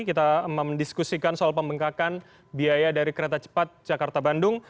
kita mendiskusikan soal pembengkakan biaya dari kereta cepat jakarta bandung